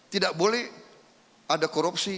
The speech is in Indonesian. tidak boleh ada korupsi